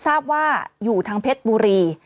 ทราบว่าอยู่ทางเพชรบุรี